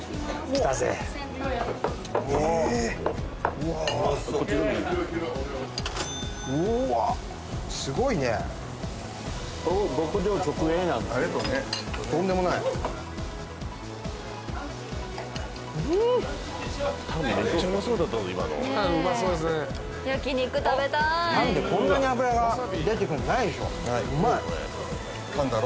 タンでこんなに脂が出てくるのないでしょ。